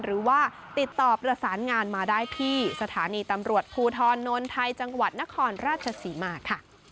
หรือว่าติดต่อประสานงานมาได้ที่สถานีตำรวจภูทรนนไทยจังหวัดนครราชศรีมาค่ะ